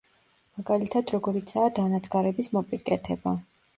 მაგალითად როგორიცაა დანადგარების მოპირკეთება.